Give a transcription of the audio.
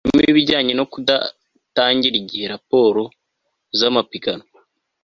harimo ibijyanye no kudatangira igihe raporo z amapiganwa